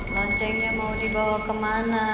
loncengnya mau dibawa kemana